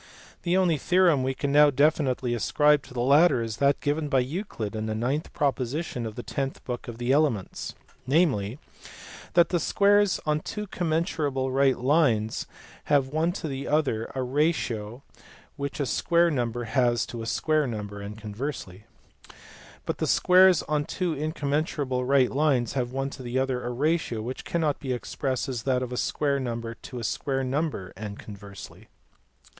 The only theorem we can now definitely ascribe to the latter is that given by Euclid in the ninth proposition of the tenth book of the Elements, namely, that the squares on two commensurable right lines have one to the other a ratio which a square number has to a square number (and conversely); but the squares on two incommensurable right lines have one to the j other a ratio which cannot be expressed as that of a square ! number to a square number (and conversely).